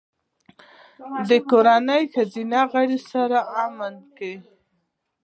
د کورنۍ له ښځینه غړو سره په امن کې.